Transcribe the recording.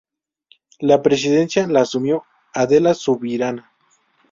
La presidencia la asumió Adela Subirana.